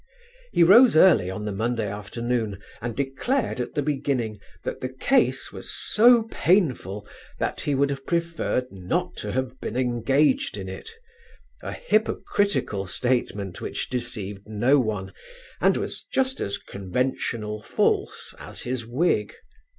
He rose early on the Monday afternoon and declared at the beginning that the case was so painful that he would have preferred not to have been engaged in it a hypocritical statement which deceived no one, and was just as conventional false as his wig.